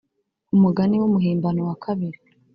Umugani w umuhimbano wa kabiri